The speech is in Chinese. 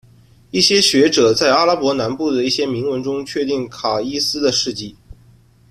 一些学者在阿拉伯南部的一些铭文中确定卡伊斯的事迹。